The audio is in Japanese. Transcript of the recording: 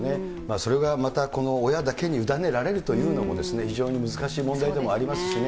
それがまた親だけに委ねられるというのもね、非常に難しい問題でもありますしね。